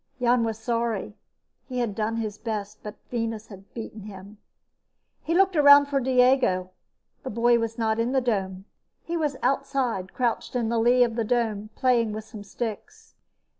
Jan was sorry. He had done his best, but Venus had beaten him. He looked around for Diego. The boy was not in the dome. He was outside, crouched in the lee of the dome, playing with some sticks.